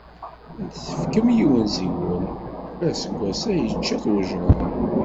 Ad tefkem yiwen seg-wen, aseggas-a yečča-t ujrad.